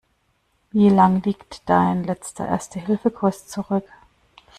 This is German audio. Wie lang liegt dein letzter Erste-Hilfe-Kurs zurück?